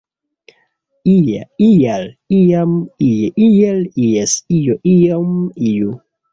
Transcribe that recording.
Ia, ial, iam, ie, iel, ies, io, iom, iu.